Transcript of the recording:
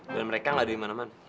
dan mereka gak ada dimana mana